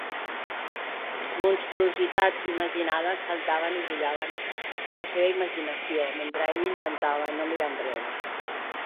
Monstruositats imaginades saltaven i brillaven a la seva imaginació mentre ell intentava no mirar enrere.